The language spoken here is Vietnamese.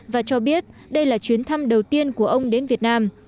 và cho biết đây là chuyến thăm đầu tiên của ông đến việt nam